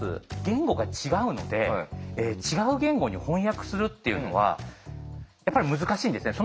言語が違うので違う言語に翻訳するっていうのはやっぱり難しいんですね。